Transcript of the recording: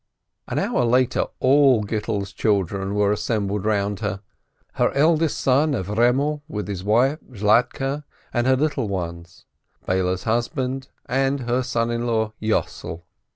An hour later all Gittel's children were assembled round her, her eldest son Avremel with his wife, Zlatke and her little ones, Beile's husband, and her son in law Yossel.